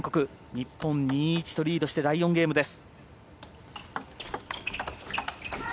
日本２対１とリードして第４ゲームです。